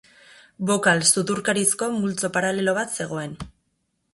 Bokal sudurkarizko multzo paralelo bat zegoen.